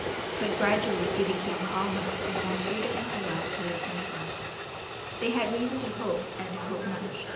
But gradually he became calmer, and more freedom was allowed to his movements. They had reason to hope, and to hope much.